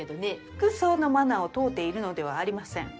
服装のマナーを問うているのではありません。